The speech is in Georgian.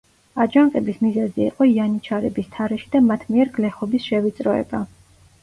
აჯანყების მიზეზი იყო იანიჩარების თარეში და მათ მიერ გლეხობის შევიწროება.